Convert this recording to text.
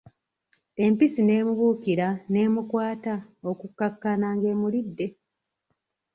Empisi n'emubuukira n'emukwata okukkakana nga emulidde!